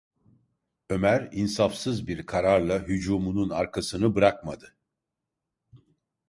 Ömer, insafsız bir kararla hücumunun arkasını bırakmadı.